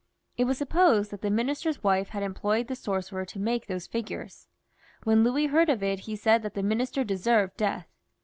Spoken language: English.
It was supposed that the Minister's wife had employed the sorcerer to make these figures. When Louis heard of it he said that the Minister deserved death.